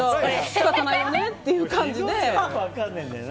仕方ないよねっていう感じで。